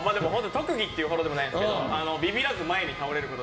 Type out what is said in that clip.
特技っていうほどでもないんですけど、ビビらずどういうこと？